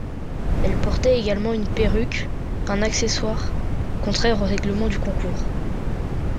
Elle portait également une perruque, un accessoire contraire au règlement du concours.